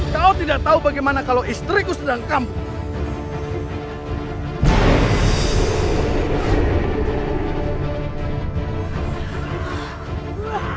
kau tidak tahu bagaimana kalau istriku sedang kamu